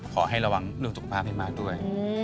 ขอให้ระวังเรื่องสุขภาพให้มากด้วย